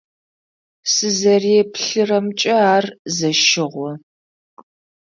Сызэреплъырэмкӏэ ар зэщыгъо.